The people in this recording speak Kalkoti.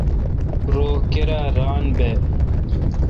رو کیرا ران بہ۔